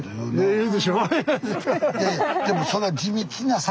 ええ。